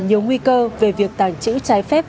nhiều nguy cơ về việc tàng trữ trái phép